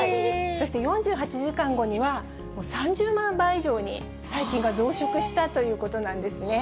そして４８時間後には、３０万倍以上に細菌が増殖したということなんですね。